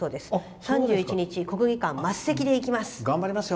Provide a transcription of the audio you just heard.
３１日の国技館末席で行きます。